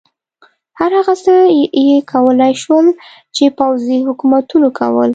هر هغه څه یې کولای شول چې پوځي حکومتونو کول.